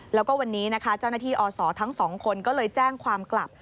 แล้วก็วันนี้นะคะเจ้าหน้าที่อศทั้งสองคนก็เลยแจ้งความกลับ